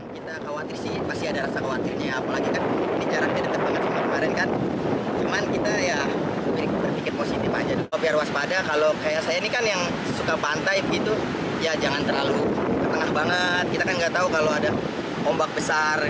jangan terlalu terlengah banget kita kan nggak tahu kalau ada ombak besar